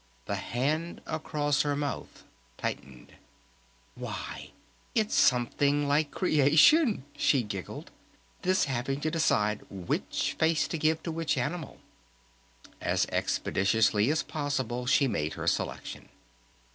The hand across her mouth tightened. "Why, it's something like Creation," she giggled. "This having to decide which face to give to which animal!" As expeditiously as possible she made her selection.